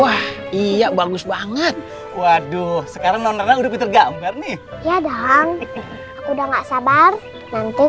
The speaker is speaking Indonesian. wah iya bagus banget waduh sekarang nona udah pinter gambar nih ya dong udah nggak sabar nanti